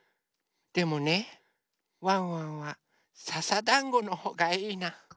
でもねワンワンはささだんごのほうがいいな。